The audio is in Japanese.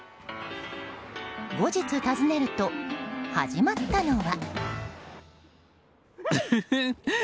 後日訪ねると、始まったのは。